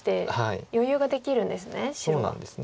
そうなんですね。